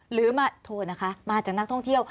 หรือมาโทรนะคะมาจากนักท่องเที่ยว